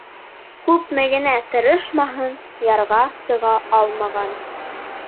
Күпме генә тырышмаһын, ярға сыға алмаған.